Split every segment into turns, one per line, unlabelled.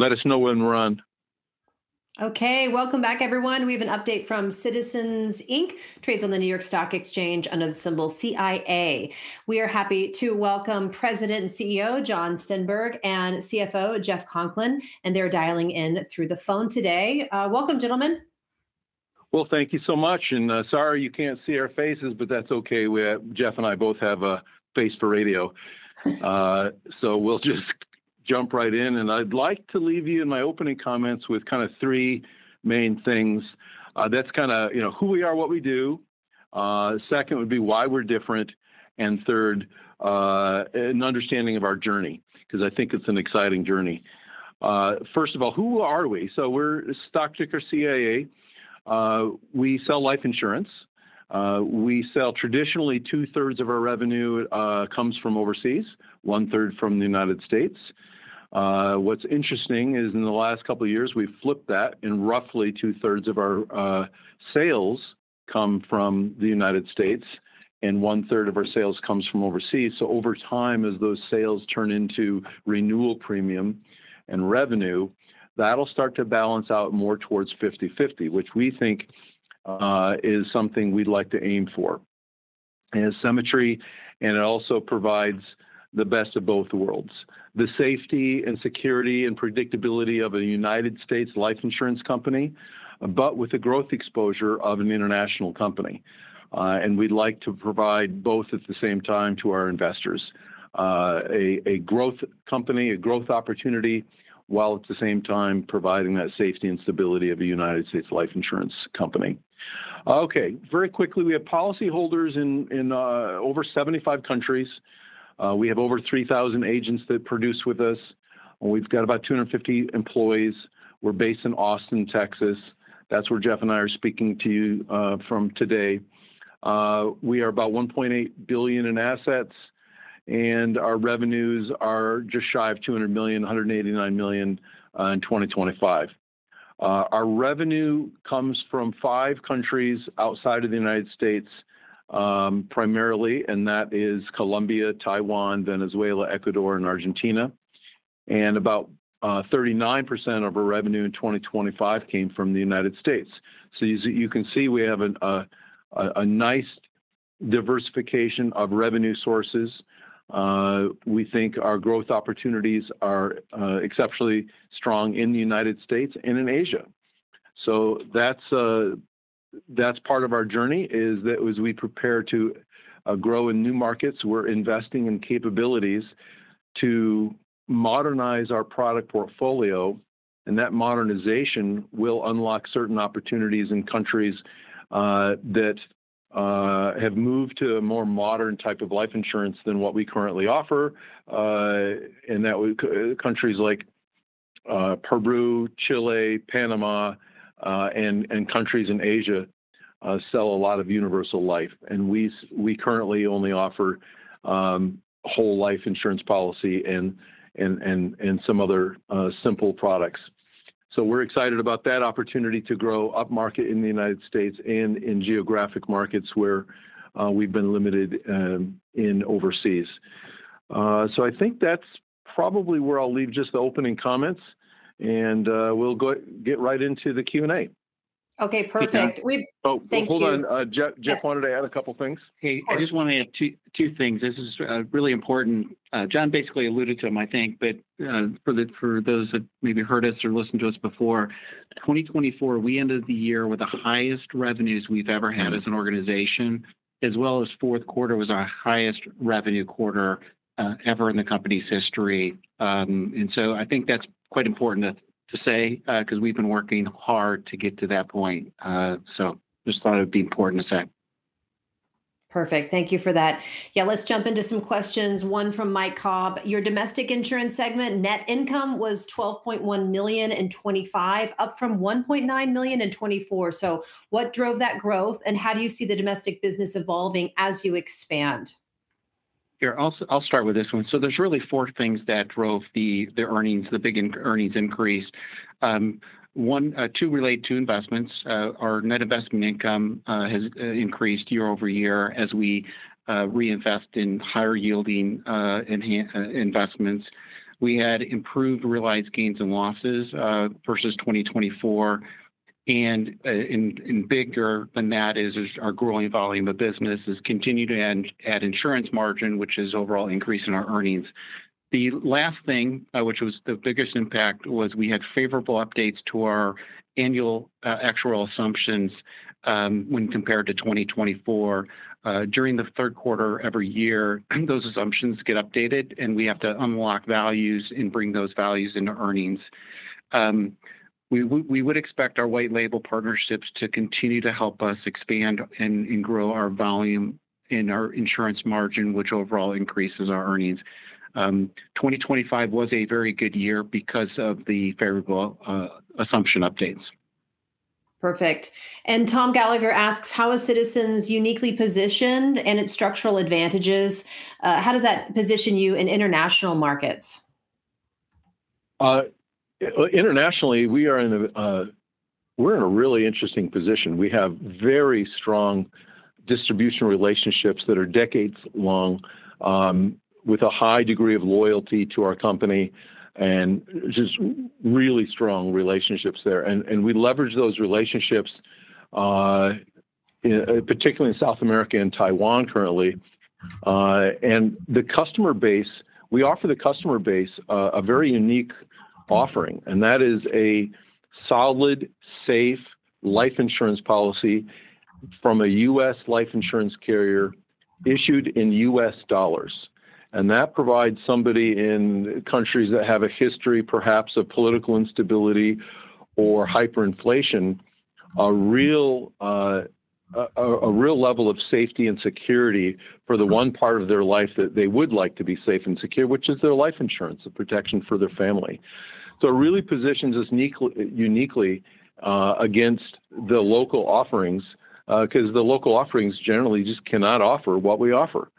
Let us know when we're on.
Okay. Welcome back, everyone. We have an update from Citizens, Inc, trades on the New York Stock Exchange under the symbol CIA. We are happy to welcome President and CEO, Jon Stenberg, and CFO, Jeff Conklin, and they're dialing in through the phone today. Welcome, gentlemen.
Well, thank you so much. Sorry you can't see our faces, but that's okay. Jeff and I both have a face for radio. We'll just jump right in, and I'd like to leave you in my opening comments with kind of three main things. That's who we are, what we do. Second would be why we're different. Third, an understanding of our journey 'cause I think it's an exciting journey. First of all, who are we? We're stock ticker CIA. We sell life insurance. Traditionally, 2/3 of our revenue comes from overseas, 1/3 from the United States. What's interesting is in the last couple of years, we've flipped that, and roughly 2/3 of our sales come from the United States, and 1/3 of our sales comes from overseas. Over time, as those sales turn into renewal premium and revenue, that'll start to balance out more towards 50/50, which we think is something we'd like to aim for. It has symmetry, and it also provides the best of both worlds. The safety and security and predictability of a United States life insurance company, but with the growth exposure of an international company. We'd like to provide both at the same time to our investors. A growth company, a growth opportunity, while at the same time providing that safety and stability of a United States life insurance company. Okay. Very quickly, we have policyholders in over 75 countries. We have over 3,000 agents that produce with us, and we've got about 250 employees. We're based in Austin, Texas. That's where Jeff and I are speaking to you from today. We are about $1.8 billion in assets, and our revenues are just shy of $200 million, $189 million in 2025. Our revenue comes from five countries outside of the United States, primarily, and that is Colombia, Taiwan, Venezuela, Ecuador, and Argentina. About 39% of our revenue in 2025 came from the United States. As you can see, we have a nice diversification of revenue sources. We think our growth opportunities are exceptionally strong in the United States and in Asia. That's part of our journey, is that as we prepare to grow in new markets, we're investing in capabilities to modernize our product portfolio. And that modernization will unlock certain opportunities in countries that have moved to a more modern type of life insurance than what we currently offer. That would be countries like Peru, Chile, Panama, and countries in Asia sell a lot of Universal Life. We currently only offer whole life insurance policy and some other simple products. We're excited about that opportunity to grow up market in the United States and in geographic markets where we've been limited in overseas. I think that's probably where I'll leave just the opening comments, and we'll get right into the Q&A.
Okay. Perfect. Thank you.
Oh, well, hold on. Jeff wanted to add a couple things.
Hey, I just want to add two things. This is really important. Jon basically alluded to them, I think, but for those that maybe heard us or listened to us before, 2024, we ended the year with the highest revenues we've ever had as an organization, as well as fourth quarter was our highest revenue quarter ever in the company's history. I think that's quite important to say 'cause we've been working hard to get to that point. I just thought it would be important to say.
Perfect. Thank you for that. Yeah. Let's jump into some questions. One from Mike Cobb. Your domestic insurance segment net income was $12.1 million in 2025, up from $1.9 million in 2024. What drove that growth, and how do you see the domestic business evolving as you expand?
Yeah. I'll start with this one. There's really four things that drove the earnings, the big earnings increase. One, two relate to investments. Our net investment income has increased year-over-year as we reinvest in higher yielding enhanced investments. We had improved realized gains and losses versus 2024. Bigger than that is our growing volume of business has continued to add insurance margin, which is overall increase in our earnings. The last thing, which was the biggest impact, was we had favorable updates to our annual actuarial assumptions, when compared to 2024. During the third quarter every year, those assumptions get updated, and we have to unlock values and bring those values into earnings. We would expect our white label partnerships to continue to help us expand and grow our volume and our insurance margin, which overall increases our earnings. 2025 was a very good year because of the favorable assumption updates.
Perfect. Tom Gallagher asks, "How is Citizens uniquely positioned and its structural advantages, how does that position you in international markets?
Internationally, we're in a really interesting position. We have very strong distribution relationships that are decades long, with a high degree of loyalty to our company and just really strong relationships there. We leverage those relationships in particular in South America and Taiwan currently. The customer base we offer a very unique offering, and that is a solid, S.A.F.E. life insurance policy from a U.S. life insurance carrier issued in U.S. dollars. That provides somebody in countries that have a history, perhaps of political instability or hyperinflation, a real level of safety and security for the one part of their life that they would like to be safe and secure, which is their life insurance, a protection for their family. It really positions us uniquely against the local offerings. 'Cause the local offerings generally just cannot offer what we offer.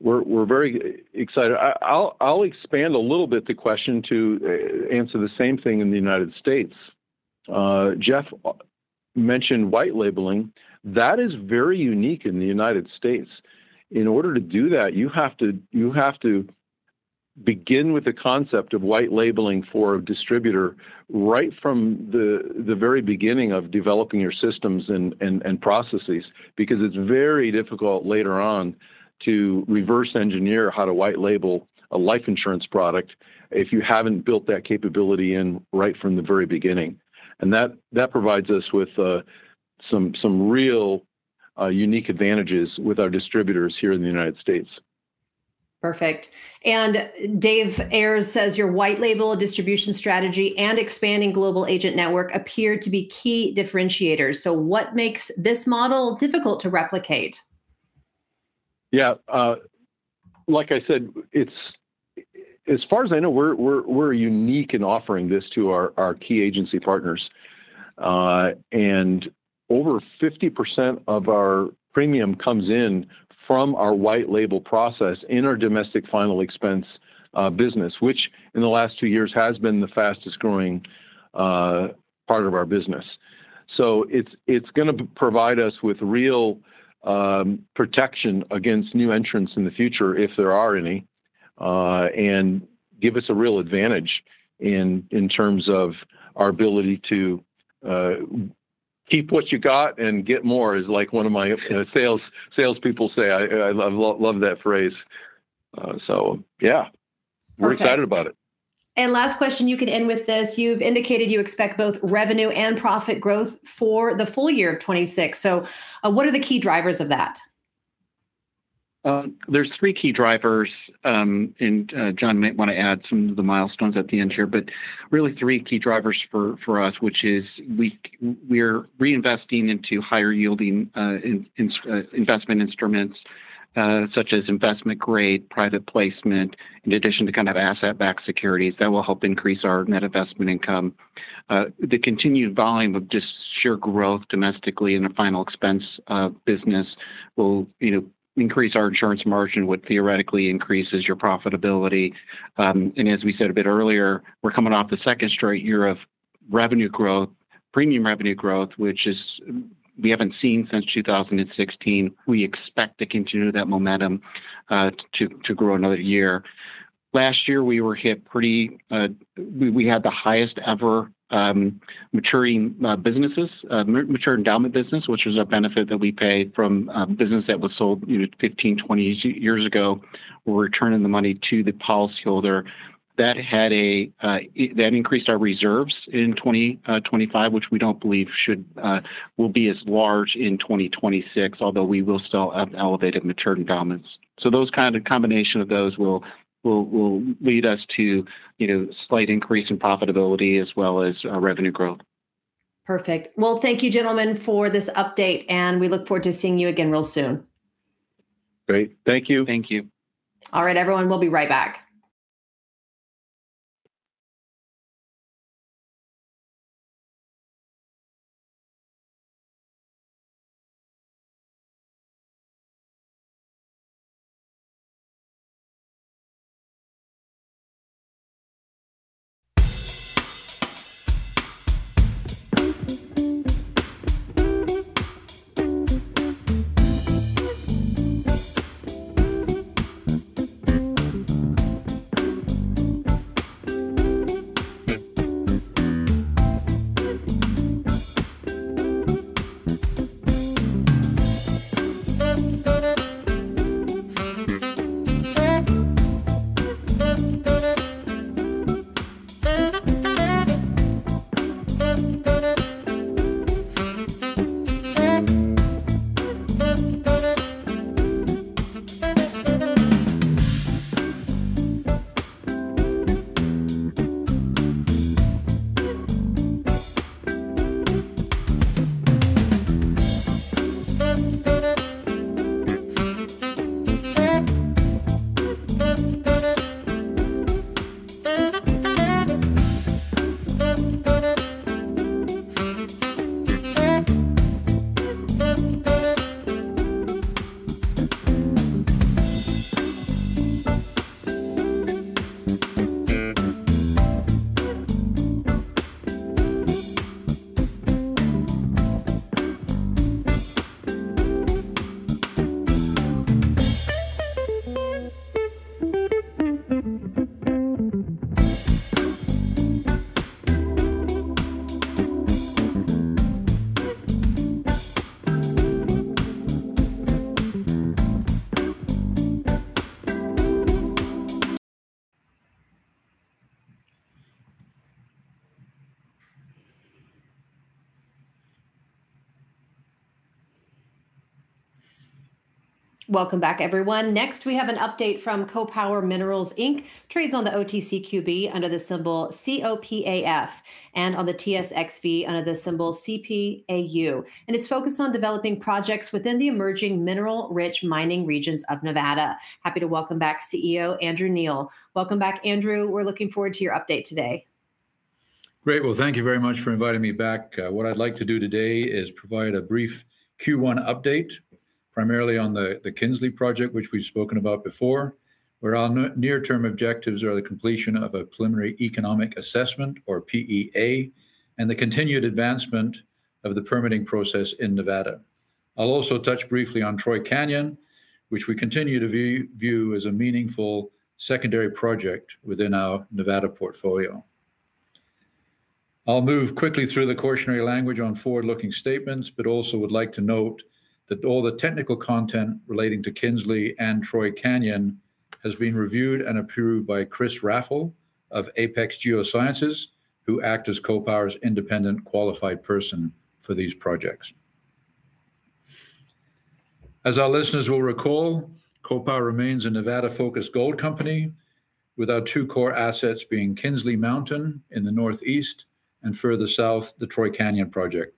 We're very excited. I'll expand a little bit the question to answer the same thing in the United States. Jeff mentioned white labeling. That is very unique in the United States. In order to do that, you have to begin with the concept of white labeling for a distributor right from the very beginning of developing your systems and processes, because it's very difficult later on to reverse engineer how to white label a life insurance product if you haven't built that capability in right from the very beginning. That provides us with some real unique advantages with our distributors here in the United States.
Perfect. Dave Ayres says your white label distribution strategy and expanding global agent network appear to be key differentiators. What makes this model difficult to replicate?
Yeah. Like I said, it's as far as I know, we're unique in offering this to our key agency partners. And over 50% of our premium comes in from our white label process in our domestic final expense business, which in the last two years has been the fastest growing part of our business. So it's gonna provide us with real protection against new entrants in the future, if there are any, and give us a real advantage in terms of our ability to keep what you got and get more is like one of my, you know, sales people say. I love that phrase. Yeah.
Okay.
We're excited about it.
Last question, you can end with this. You've indicated you expect both revenue and profit growth for the full year of 2026. What are the key drivers of that?
There's three key drivers. Jon might wanna add some of the milestones at the end here, but really three key drivers for us, which is we're reinvesting into higher yielding investment instruments, such as investment grade private placement, in addition to kind of asset-backed securities that will help increase our net investment income. The continued volume of just sheer growth domestically in the final expense business will, you know, increase our insurance margin, which theoretically increases your profitability. As we said a bit earlier, we're coming off the second straight year of revenue growth, premium revenue growth, which we haven't seen since 2016. We expect to continue that momentum to grow another year. Last year, we were hit pretty—We had the highest ever mature endowment business, which was a benefit that we pay from a business that was sold, you know, 15, 20 years ago. We're returning the money to the policyholder. That increased our reserves in 2025, which we don't believe will be as large in 2026, although we will still have elevated mature endowments. Those kind of combination of those will lead us to, you know, slight increase in profitability as well as revenue growth.
Perfect. Well, thank you, gentlemen, for this update, and we look forward to seeing you again real soon.
Great. Thank you.
Thank you.
All right, everyone, we'll be right back. Welcome back, everyone. Next we have an update from CopAur Minerals Inc, trades on the OTCQB under the symbol COPAF and on the TSXV under the symbol CPAU. It's focused on developing projects within the emerging mineral-rich mining regions of Nevada. Happy to welcome back CEO Andrew Neale. Welcome back, Andrew. We're looking forward to your update today.
Great. Well, thank you very much for inviting me back. What I'd like to do today is provide a brief Q1 update, primarily on the Kinsley project, which we've spoken about before, where our near term objectives are the completion of a Preliminary Economic Assessment or PEA, and the continued advancement of the permitting process in Nevada. I'll also touch briefly on Troy Canyon, which we continue to view as a meaningful secondary project within our Nevada portfolio. I'll move quickly through the cautionary language on forward-looking statements, but also would like to note that all the technical content relating to Kinsley and Troy Canyon has been reviewed and approved by Kris Raffle of APEX Geoscience, who act as CopAur's independent qualified person for these projects. As our listeners will recall, CopAur remains a Nevada-focused gold company with our two core assets being Kinsley Mountain in the northeast and further south, the Troy Canyon project.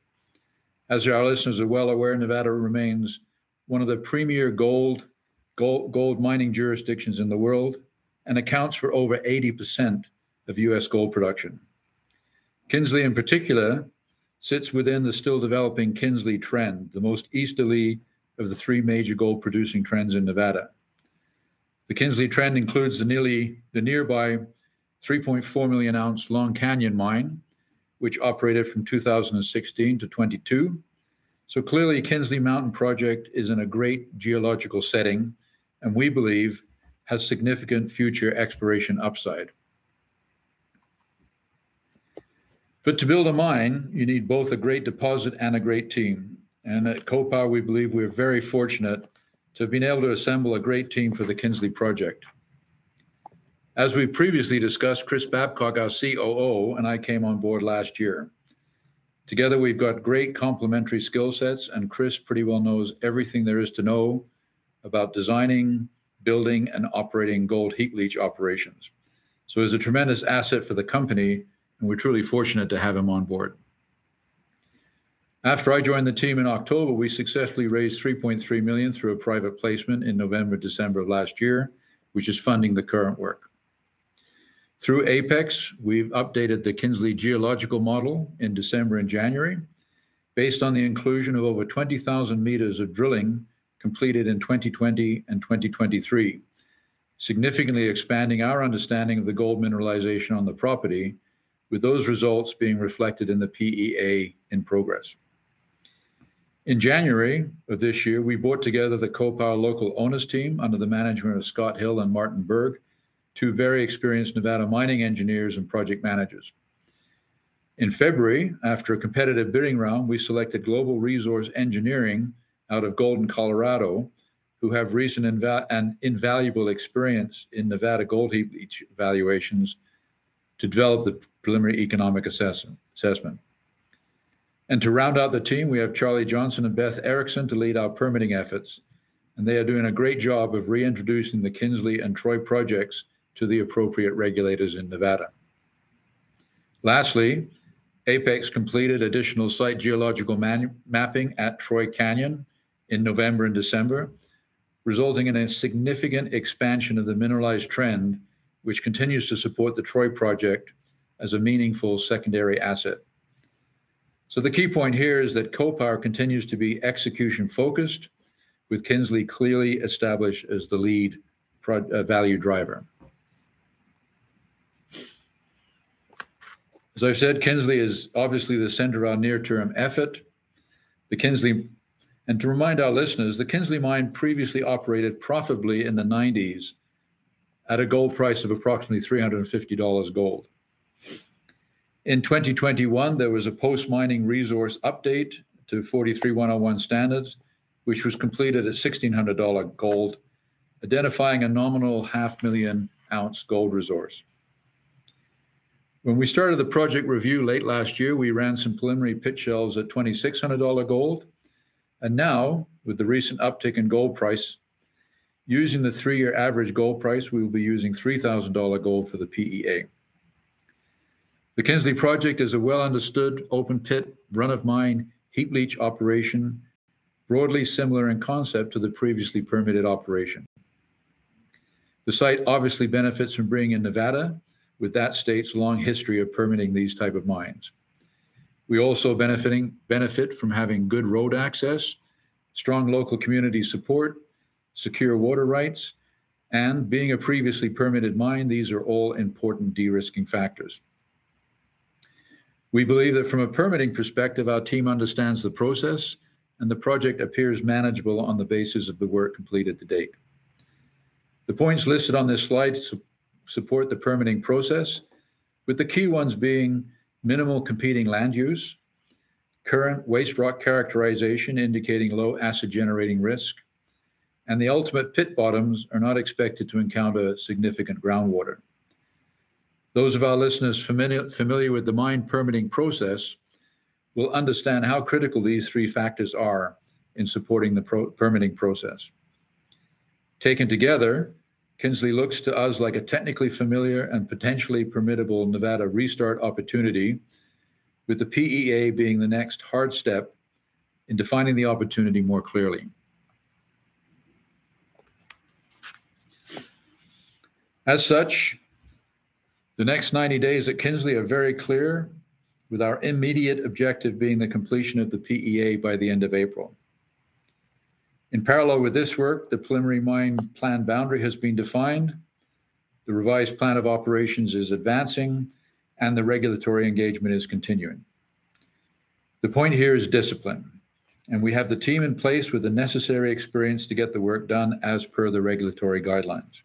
As our listeners are well aware, Nevada remains one of the premier gold mining jurisdictions in the world and accounts for over 80% of U.S. gold production. Kinsley, in particular, sits within the still developing Kinsley Trend, the most easterly of the three major gold producing trends in Nevada. The Kinsley Trend includes the nearby 3,400,000 oz Long Canyon Mine, which operated from 2016 to 2022. Clearly, Kinsley Mountain project is in a great geological setting and we believe has significant future exploration upside. To build a mine, you need both a great deposit and a great team. At CopAur, we believe we're very fortunate to have been able to assemble a great team for the Kinsley project. As we previously discussed, Chris Babcock, our COO, and I came on board last year. Together, we've got great complementary skill sets, and Chris pretty well knows everything there is to know about designing, building and operating gold heap leach operations. He's a tremendous asset for the company, and we're truly fortunate to have him on board. After I joined the team in October, we successfully raised $3.3 million through a private placement in November, December of last year, which is funding the current work. Through APEX, we've updated the Kinsley geological model in December and January based on the inclusion of over 20,000 m of drilling completed in 2020 and 2023, significantly expanding our understanding of the gold mineralization on the property with those results being reflected in the PEA in progress. In January of this year, we brought together the CopAur local owners team under the management of Scott Hill and Martin Berg, two very experienced Nevada mining engineers and project managers. In February, after a competitive bidding round, we selected Global Resource Engineering out of Golden, Colorado, who have recent and invaluable experience in Nevada gold heap leach evaluations to develop the preliminary economic assessment. To round out the team, we have Charlie Johnson and Beth Erickson to lead our permitting efforts, and they are doing a great job of reintroducing the Kinsley and Troy projects to the appropriate regulators in Nevada. Lastly, APEX completed additional site geological mapping at Troy Canyon in November and December, resulting in a significant expansion of the mineralized trend, which continues to support the Troy project as a meaningful secondary asset. The key point here is that CopAur continues to be execution-focused, with Kinsley clearly established as the lead value driver. As I've said, Kinsley is obviously the center of our near term effort. To remind our listeners, the Kinsley Mine previously operated profitably in the nineties at a gold price of approximately $350 gold. In 2021, there was a post-mining resource update to 43-101 standards, which was completed at $1,600 gold, identifying a nominal 500,000 oz gold resource. When we started the project review late last year, we ran some preliminary pit shells at $2,600 gold. Now with the recent uptick in gold price, using the three-year average gold price, we will be using $3,000 gold for the PEA. The Kinsley project is a well understood open pit run of mine heap leach operation, broadly similar in concept to the previously permitted operation. The site obviously benefits from being in Nevada, with that state's long history of permitting these type of mines. We also benefit from having good road access, strong local community support, secure water rights, and being a previously permitted mine. These are all important de-risking factors. We believe that from a permitting perspective, our team understands the process, and the project appears manageable on the basis of the work completed to date. The points listed on this slide support the permitting process, with the key ones being minimal competing land use, current waste rock characterization indicating low acid generating risk, and the ultimate pit bottoms are not expected to encounter significant groundwater. Those of our listeners familiar with the mine permitting process will understand how critical these three factors are in supporting the permitting process. Taken together, Kinsley looks to us like a technically familiar and potentially permittable Nevada restart opportunity, with the PEA being the next hard step in defining the opportunity more clearly. As such, the next 90 days at Kinsley are very clear, with our immediate objective being the completion of the PEA by the end of April. In parallel with this work, the preliminary mine plan boundary has been defined, the revised plan of operations is advancing, and the regulatory engagement is continuing. The point here is discipline, and we have the team in place with the necessary experience to get the work done as per the regulatory guidelines.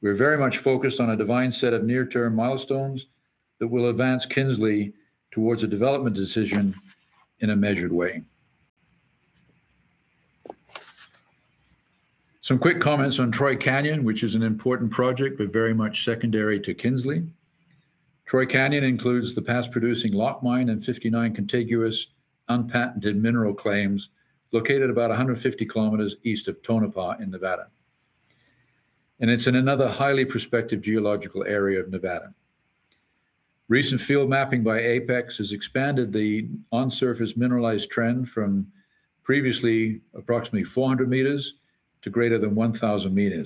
We're very much focused on a defined set of near-term milestones that will advance Kinsley towards a development decision in a measured way. Some quick comments on Troy Canyon, which is an important project, but very much secondary to Kinsley. Troy Canyon includes the past-producing Locke Mine and 59 contiguous unpatented mineral claims located about 150 km east of Tonopah, Nevada. It's in another highly prospective geological area of Nevada. Recent field mapping by APEX has expanded the on-surface mineralized trend from previously approximately 400 m to greater than 1,000 m,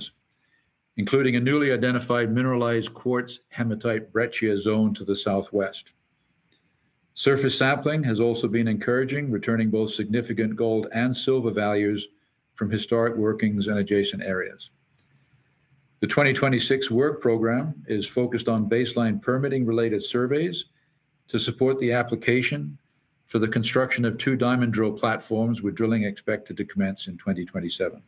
including a newly identified mineralized quartz hematite breccia zone to the southwest. Surface sampling has also been encouraging, returning both significant gold and silver values from historic workings and adjacent areas. The 2026 work program is focused on baseline permitting-related surveys to support the application for the construction of two diamond drill platforms, with drilling expected to commence in 2027.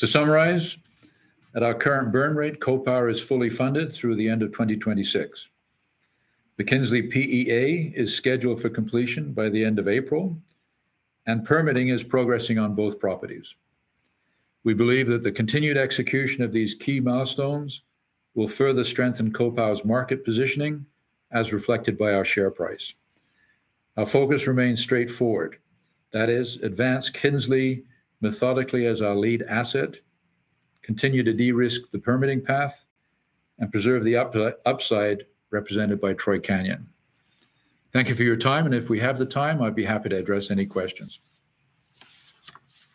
To summarize, at our current burn rate, CopAur is fully funded through the end of 2026. The Kinsley PEA is scheduled for completion by the end of April, and permitting is progressing on both properties. We believe that the continued execution of these key milestones will further strengthen CopAur's market positioning, as reflected by our share price. Our focus remains straightforward. That is, advance Kinsley methodically as our lead asset, continue to de-risk the permitting path, and preserve the upside represented by Troy Canyon. Thank you for your time, and if we have the time, I'd be happy to address any questions.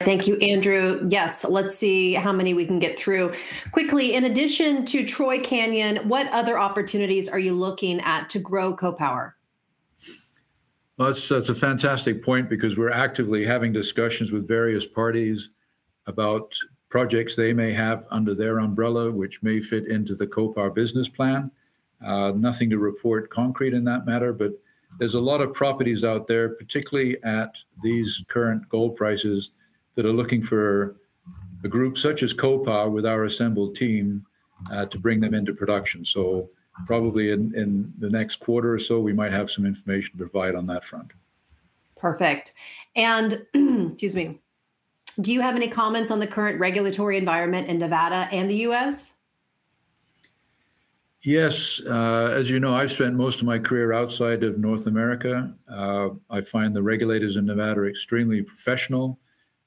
Thank you, Andrew. Yes, let's see how many we can get through. Quickly, in addition to Troy Canyon, what other opportunities are you looking at to grow CopAur?
Well, that's a fantastic point because we're actively having discussions with various parties about projects they may have under their umbrella, which may fit into the CopAur business plan. Nothing concrete to report in that matter, but there's a lot of properties out there, particularly at these current gold prices, that are looking for a group such as CopAur with our assembled team to bring them into production. Probably in the next quarter or so, we might have some information to provide on that front.
Perfect. Excuse me. Do you have any comments on the current regulatory environment in Nevada and the U.S.?
Yes. As you know, I've spent most of my career outside of North America. I find the regulators in Nevada extremely professional.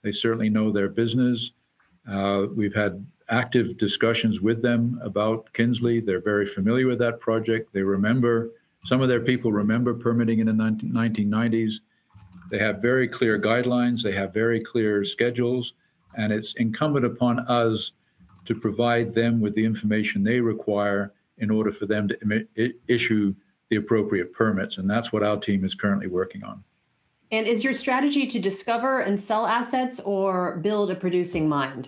They certainly know their business. We've had active discussions with them about Kinsley. They're very familiar with that project. They remember. Some of their people remember permitting in the 1990s. They have very clear guidelines. They have very clear schedules, and it's incumbent upon us to provide them with the information they require in order for them to issue the appropriate permits, and that's what our team is currently working on.
Is your strategy to discover and sell assets or build a producing mine?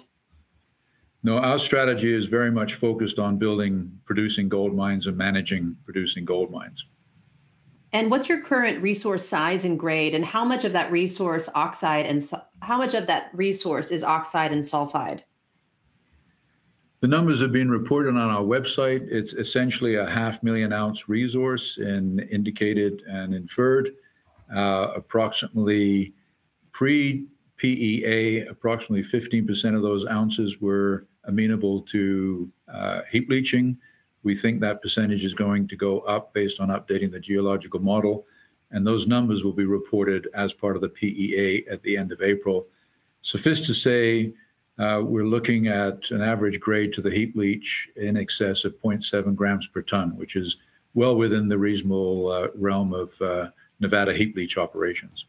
No, our strategy is very much focused on building producing gold mines and managing producing gold mines.
What's your current resource size and grade, and how much of that resource is oxide and sulfide?
The numbers have been reported on our website. It's essentially a 500,000 oz resource in indicated and inferred. Approximately pre-PEA, approximately 15% of those ounces were amenable to heap leaching. We think that percentage is going to go up based on updating the geological model, and those numbers will be reported as part of the PEA at the end of April. Suffice to say, we're looking at an average grade to the heap leach in excess of 0.7 g/ton, which is well within the reasonable realm of Nevada heap leach operations.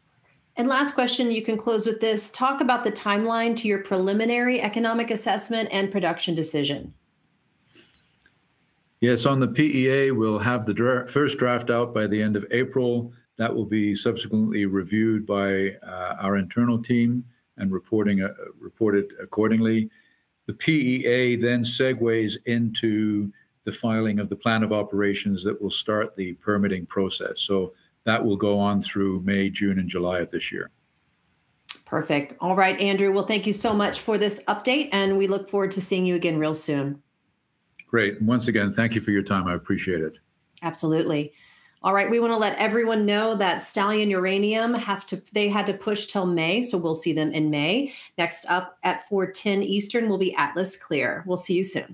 Last question, you can close with this. Talk about the timeline to your preliminary economic assessment and production decision.
Yes. On the PEA, we'll have the first draft out by the end of April. That will be subsequently reviewed by our internal team and reported accordingly. The PEA then segues into the filing of the plan of operations that will start the permitting process. That will go on through May, June, and July of this year.
Perfect. All right, Andrew. Well, thank you so much for this update, and we look forward to seeing you again real soon.
Great. Once again, thank you for your time. I appreciate it.
Absolutely. All right, we wanna let everyone know that Stallion Uranium had to push till May, so we'll see them in May. Next up at 4:10 P.M. Eastern will be AtlasClear. We'll see you soon.